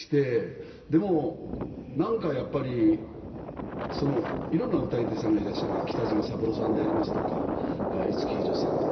でもなんかやっぱり色んな歌い手さんがいらっしゃる北島三郎さんでありますとか五木ひろしさんとか。